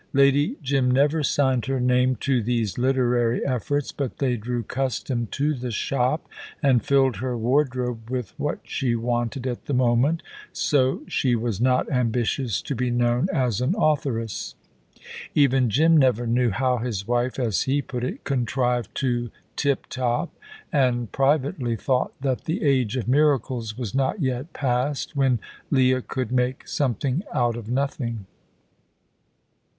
Lady Jim never signed her name to these literary efforts, but they drew custom to the shop and filled her wardrobe with what she wanted at the moment, so she was not ambitious to be known as an authoress. Even Jim never knew how his wife, as he put it, "contrived the tip top"; and privately thought that the age of miracles was not yet past, when Leah could make something out of nothing.